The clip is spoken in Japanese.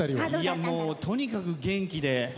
もうとにかく元気で。